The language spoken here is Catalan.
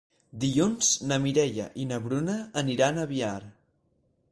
Dilluns na Mireia i na Bruna aniran a Biar.